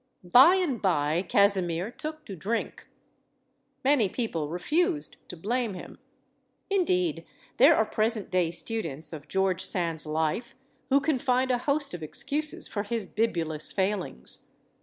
By and by, Casimir took to drink. Many people refused to blame him. Indeed, there are present day students of George Sand's life who can find a host of excuses for his bibulous failings.